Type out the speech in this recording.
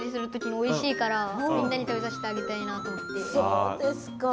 そうですか。